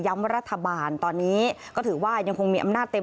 ว่ารัฐบาลตอนนี้ก็ถือว่ายังคงมีอำนาจเต็ม